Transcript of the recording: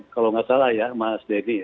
kalau nggak salah ya mas deni